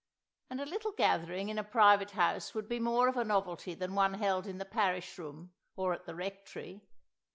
And a little gathering in a private house would be more of a novelty than one held in the Parish Room, or at the Rectory."